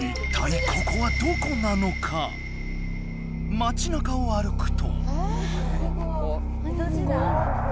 町なかを歩くと。